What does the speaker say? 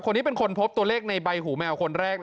คนนี้เป็นคนพบตัวเลขในใบหูแมวคนแรก